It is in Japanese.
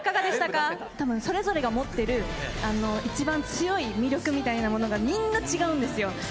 たぶん、それぞれが持ってる一番強い魅力みたいなものが、みんな、違うんですよ。